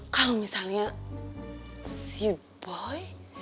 kalau misalnya si boy